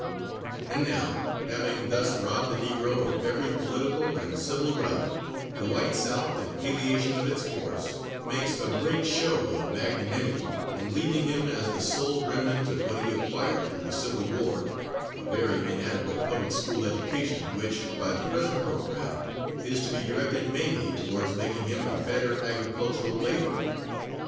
And now, having thus robbed the Negro of every political and civil right, the white South, in palliation of its course, makes a great show of magnanimity in leaving him, as the sole remnant of what he acquired through the Civil War, a very inadequate public school education, which, by the present program, is to be directed mainly towards making him a better agricultural laborer.